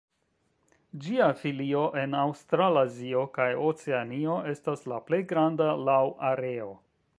Ĝia filio en Aŭstralazio kaj Oceanio estas la plej granda laŭ areo.